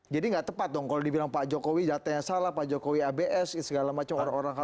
jadi nggak tepat dong kalau dibilang pak jokowi datanya salah pak jokowi abs segala macam orang orang harus